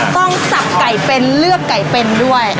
สับไก่เป็นเลือกไก่เป็นด้วย